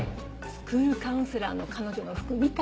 スクールカウンセラーの彼女の服見た？